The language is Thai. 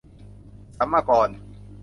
สัมมากร